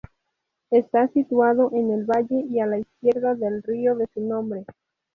Está situado en el valle y a la izquierda del río de su nombre.